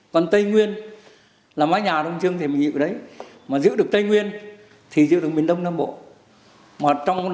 còn tây nguyên là mái nhà đông dương thì mình nghĩ ở đấy mà giữ được tây nguyên thì giữ được miền đông nam bộ